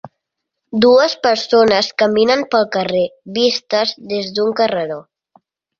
Dues persones caminen pel carrer, vistes des d'un carreró.